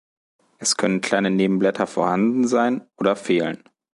Es können kleine Nebenblätter vorhanden sein oder fehlen.